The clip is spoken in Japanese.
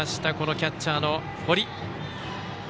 キャッチャーの堀。